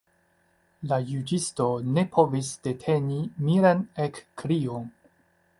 La juĝisto ne povis deteni miran ekkrion.